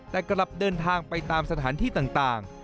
แต่กลับเดินทางไปตามสถานที่ต่าง